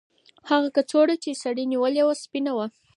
هغه کڅوړه چې سړي نیولې وه سپینه وه.